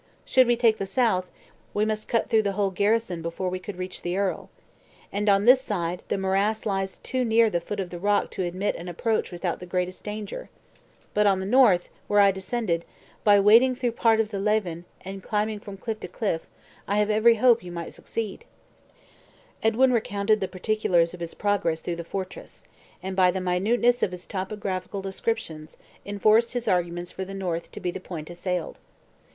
Should we take the south, we must cut through the whole garrison before we could reach the earl. And on this side, the morass lies too near the foot of the rock to admit an approach without the greatest danger. But on the north, where I descended, by wading through part of the Leven, and climbing from cliff to cliff, I have every hope you may succeed." Edwin recounted the particulars of his progress through the fortress; and by the minuteness of his topographical descriptions, enforced his arguments for the north to be the point assailed.